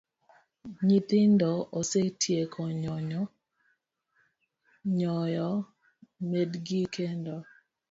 Nyithindo osetieko nyoyo medgi kendo